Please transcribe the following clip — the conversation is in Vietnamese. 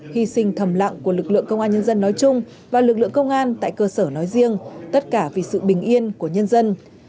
hy sinh thầm lặng của lực lượng công an nhân dân nói chung và lực lượng công an tại cơ sở nói riêng tất cả vì sự bình yên của nhân dân